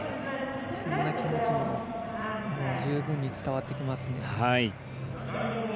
そんな気持ちも十分に伝わってきますね。